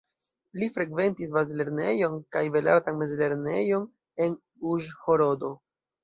Li frekventis bazlernejon kaj belartan mezlernejon en Uĵhorodo.